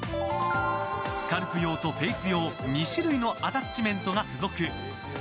スカルプ用とフェイス用２種類のアタッチメントが付属。